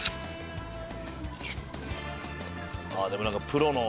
ああでも何かプロの。